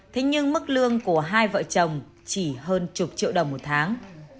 thế nhưng mức lương của hai vợ chồng chỉ hơn chục triệu đồng một tháng